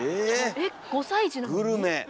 えっ５歳児なのに？